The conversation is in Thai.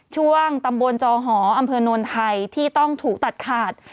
ช่วงตำบลจอหออำเภอนวลไทยที่ต้องถูกตัดขาด